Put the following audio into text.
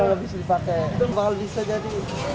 walaupun dibulat bulat mahal bisa jadi